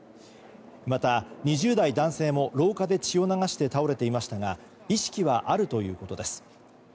また、２０代男性も廊下で血を流して倒れていましたが意識はあるということです。